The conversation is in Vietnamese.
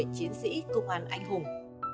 chiến sĩ công an anh hùng